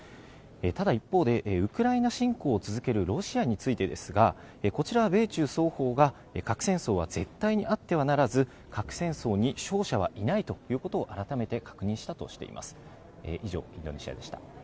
ただ、一方でウクライナ侵攻を続けるロシアについてですがこちらは米中双方が核戦争は絶対にあってはならず核戦争に勝者はいないということを改めて確認したとしています。